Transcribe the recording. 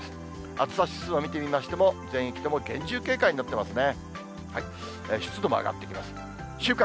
暑さ指数を見てみましても、全域とも厳重警戒になっていますね。